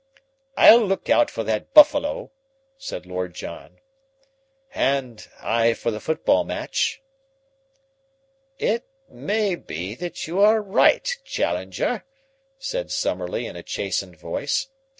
"I'll look out for that buffalo," said Lord John. "And I for the football match." "It may be that you are right, Challenger," said Summerlee in a chastened voice.